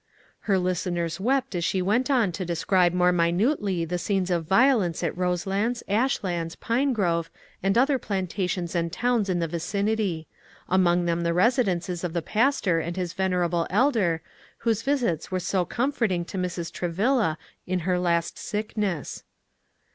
Her listeners wept as she went on to describe more minutely the scenes of violence at Roselands, Ashlands, Pinegrove, and other plantations and towns in the vicinity; among them the residences of the pastor and his venerable elder, whose visits were so comforting to Mrs. Travilla in her last sickness.